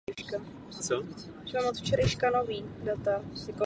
Dlouho bylo Malibu Colony známo jako populární útočiště pro bohaté celebrity.